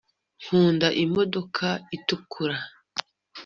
nkunda imodoka itukura